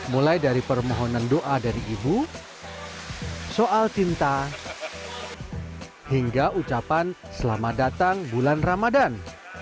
mulai dari permohonan doa dari ibu soal cinta hingga ucapan selamat datang bulan ramadan